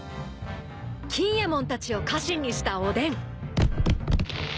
［錦えもんたちを家臣にしたおでん］